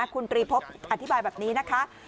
คุณตรีพบอธิบายแบบนี้นะคะ